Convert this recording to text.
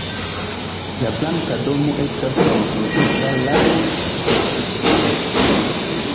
La Blanka Domo estas konstruita laŭ secesia stilo.